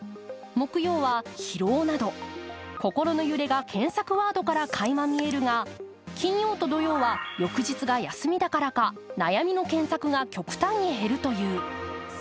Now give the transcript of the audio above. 木曜は「疲労」など、心の揺れが検索ワードからかいま見えるが金曜と土曜は翌日が休みだからか、悩みの検索が極端に減るという。